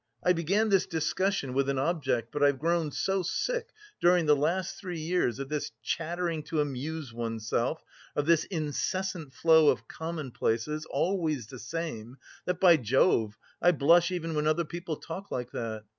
I began this discussion with an object, but I've grown so sick during the last three years of this chattering to amuse oneself, of this incessant flow of commonplaces, always the same, that, by Jove, I blush even when other people talk like that.